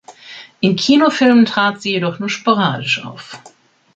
In Kinofilmen trat sie jedoch nur sporadisch auf.